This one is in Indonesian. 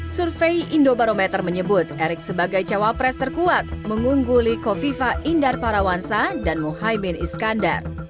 survei indobarometer menyebut erick sebagai cawapres terkuat mengungguli kofifa indar parawansa dan muhaymin iskandar